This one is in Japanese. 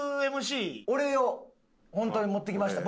御礼を本当に持ってきました。